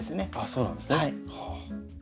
そうなんですね。